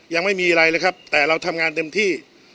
ยังไม่มีอะไรเลยครับแต่เราทำงานเต็มที่